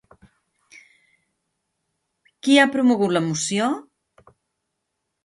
Qui ha promogut la moció?